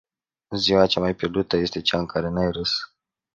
Ziua cea mai pierdută este cea în care n-ai râs.